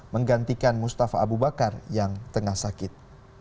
menggantikan mustafa abu bakar yang tengah sakit